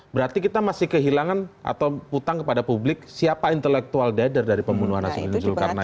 berarti kita masih kehilangan atau hutang kepada publik siapa intelektual dader dari pembunuhan nasional jodhpur karena itu